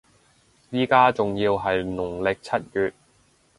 依家仲要係農曆七月